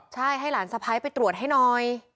ใช่ให้หลานสะพ้ายไปตรวจให้หน่อย